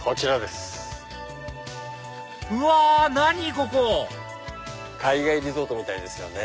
ここ海外リゾートみたいですよね。